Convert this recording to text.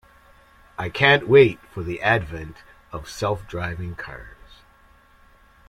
I can't wait for the advent of self driving cars.